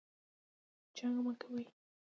جنګ مه کوئ